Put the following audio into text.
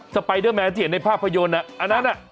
ไปเดอร์แมนที่เห็นในภาพยนตร์อันนั้น